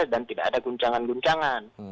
dan tidak ada guncangan guncangan